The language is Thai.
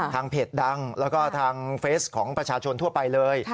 เพจดังแล้วก็ทางเฟสของประชาชนทั่วไปเลย